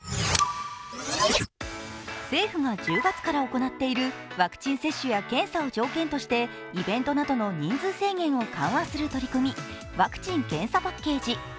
政府が１０月から行っているワクチン接種や検査を条件としてイベントなどの人数制限を緩和する取り組み、ワクチン・検査パッケージ。